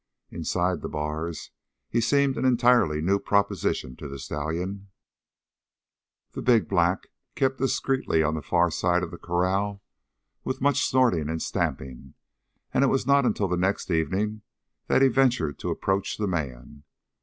Inside the bars he seemed an entirely new proposition to the stallion. The big black kept discreetly on the far side of the corral with much snorting and stamping, and it was not until the next evening that he ventured to approach the man.